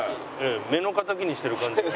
目の敵にしてる感じが。